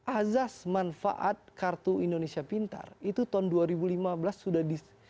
azaz manfaat kartu indonesia pintar itu tahun dua ribu lima belas